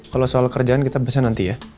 kalau soal kerjaan kita pesan nanti ya